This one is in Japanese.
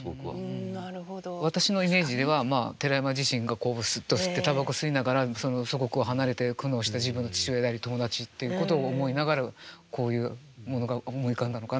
私のイメージでは寺山自身がこう擦ってたばこ吸いながら祖国を離れて苦悩した自分の父親であり友達っていうことを思いながらこういうものが思い浮かんだのかなっていう気もしますね。